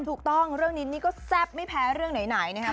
ถูกต้องเรื่องนี้นี่ก็แซ่บไม่แพ้เรื่องไหนนะครับ